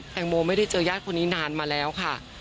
โมไม่ได้เจอญาติคนนี้นานมาแล้วค่ะ